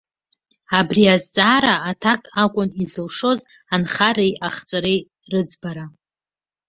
Абри азҵаара аҭак акәын изылшоз инхареи-ахҵәареи рыӡбара.